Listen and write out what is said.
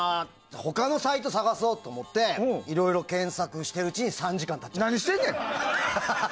他のサイト探そうって思っていろいろ検索しているうちに３時間経っちゃった。